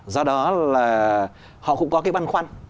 do đó là họ cũng có băn khoăn